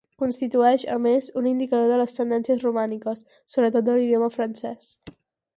Constitueix, a més, un indicador de les tendències romàniques, sobretot de l'idioma francès.